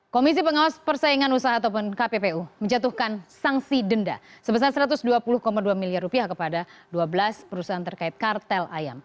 komisi pengawas persaingan usaha ataupun kppu menjatuhkan sanksi denda sebesar satu ratus dua puluh dua miliar rupiah kepada dua belas perusahaan terkait kartel ayam